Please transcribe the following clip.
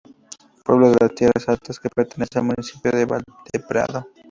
Pueblo de la de Tierras Altas que pertenece al municipio de Valdeprado.